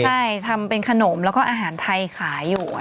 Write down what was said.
ใช่ทำเป็นขนมแล้วก็อาหารไทยขายอยู่